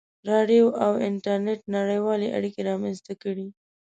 • راډیو او انټرنېټ نړیوالې اړیکې رامنځته کړې.